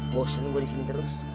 bosan gua disini terus